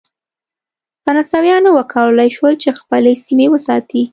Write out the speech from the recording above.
فرانسویانو وکولای شول چې خپلې سیمې وساتي.